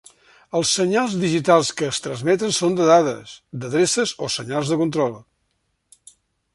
Els senyals digitals que es transmeten són de dades, d'adreces o senyals de control.